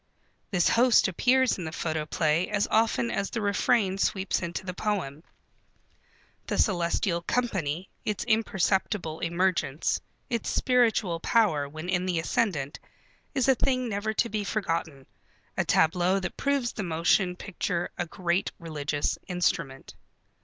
This host appears in the photoplay as often as the refrain sweeps into the poem. The celestial company, its imperceptible emergence, its spiritual power when in the ascendant, is a thing never to be forgotten, a tableau that proves the motion picture a great religious instrument.